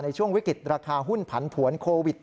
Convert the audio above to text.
ในช่วงวิกฤตราคาหุ้นผันผวนโควิด